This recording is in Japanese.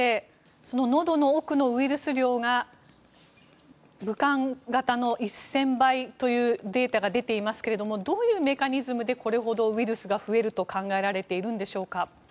その、のどの奥のウイルス量が武漢型の１０００倍というデータが出ていますがどういうメカニズムでこれほどウイルスが増えると考えられているんでしょうか。